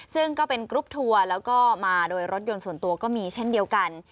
ซึ่งก็เป็นกรุ๊ปทัวร์แล้วก็มาโดยรถยนต์ส่วนตัวก็มีเช่นเดียวกัน